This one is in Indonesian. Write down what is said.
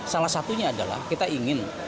salah satunya adalah kita ingin